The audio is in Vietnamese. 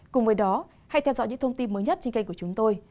cùng với đó hãy theo dõi những thông tin mới nhất trên kênh của chúng tôi